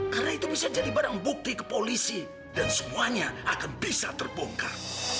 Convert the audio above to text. karena itu bisa jadi barang bukti ke polisi dan semuanya akan bisa terbongkar